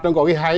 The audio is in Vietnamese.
nó có cái hay